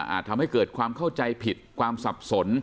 ทำให้เกิดความเข้าใจผิดความสับสน